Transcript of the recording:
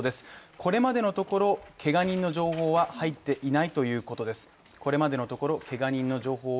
これまでのところ、けが人の情報は入っていないということです。